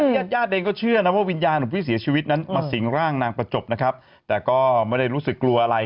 ญาติญาติเองก็เชื่อนะว่าวิญญาณของผู้เสียชีวิตนั้นมาสิงร่างนางประจบนะครับแต่ก็ไม่ได้รู้สึกกลัวอะไร